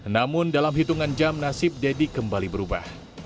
namun dalam hitungan jam nasib deddy kembali berubah